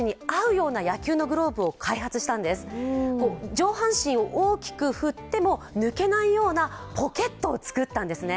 上半身を大きく振っても抜けないようなポケットを作ったんですね。